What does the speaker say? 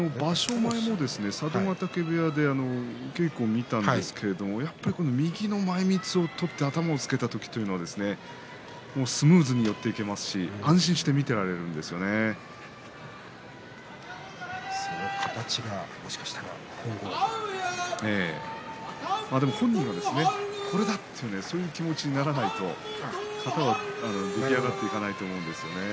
前、佐渡ヶ嶽部屋で稽古を見ましたが右の前みつを取って頭をつけた時というのはスムーズに寄っていきますしその形がもしかしたら本人がこれだという気持ちにならないと出来上がっていかないと思うんですね。